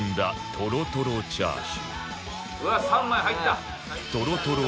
うわっ３枚入った。